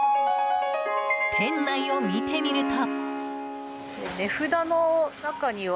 店内を見てみると。